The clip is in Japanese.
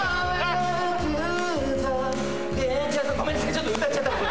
ちょっと歌っちゃった。